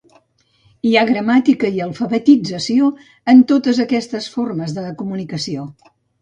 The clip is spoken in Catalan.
Hi ha gramàtica i alfabetització en totes aquestes formes de comunicació.